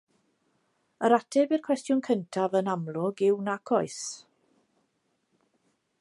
Yr ateb i'r cwestiwn cyntaf yn amlwg yw nac oes.